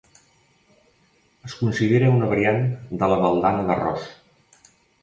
Es considera una variant de la baldana d'arròs.